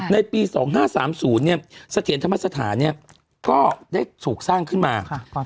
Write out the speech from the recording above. ในปี๒๕๓๐เนี่ยเสถียรธรรมศาสตราก็ได้สูงสร้างขึ้นมา